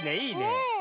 うん。